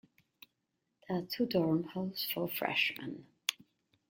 There are two dorm halls for freshmen.